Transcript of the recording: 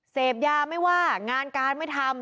เสพยาไม่ว่างานการไม่ทำ